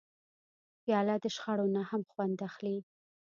پیاله د شخړو نه هم خوند اخلي.